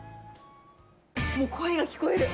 もう声が聞こえる。